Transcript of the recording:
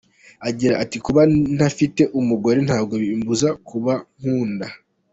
Agira ati “Kuba ntafite umugore ntabwo bimbuza kubakunda.